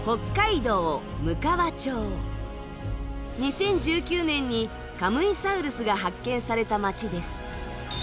２０１９年にカムイサウルスが発見された町です。